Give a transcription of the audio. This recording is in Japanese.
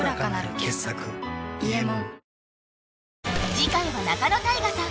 次回は仲野太賀さん